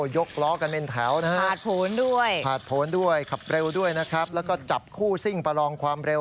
ยกล้อกันเป็นแถวนะฮะผ่านผลด้วยขับเร็วด้วยนะครับแล้วก็จับคู่ซิ่งประลองความเร็ว